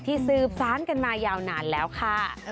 สืบสารกันมายาวนานแล้วค่ะ